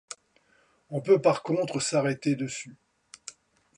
On peut par contre s'arrêter dessus.